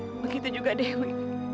dewi begitu juga dewi